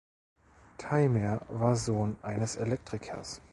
Theimer war Sohn eines Elektrikers.